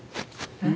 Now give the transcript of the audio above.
えっ。